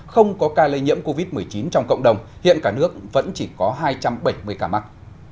không có ca lây nhiễm covid một mươi chín trong cộng đồng hiện cả nước vẫn chỉ có hai trăm bảy mươi ca mắc